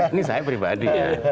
ini saya pribadi ya